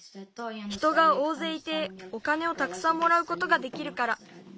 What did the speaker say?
人がおおぜいいてお金をたくさんもらうことができるから。